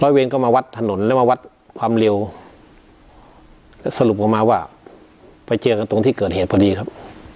เวรก็มาวัดถนนแล้วมาวัดความเร็วแล้วสรุปออกมาว่าไปเจอกันตรงที่เกิดเหตุพอดีครับ